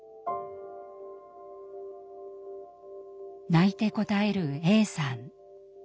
泣いて答えるＡさん。